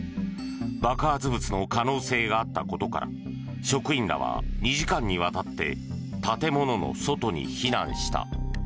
爆発物の可能性があったことから職員らは、２時間にわたって建物の外に避難した。